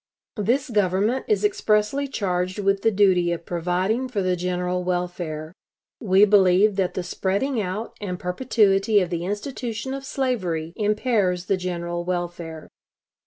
This Government is expressly charged with the duty of providing for the general welfare. We believe that the spreading out and perpetuity of the institution of slavery impairs the general welfare.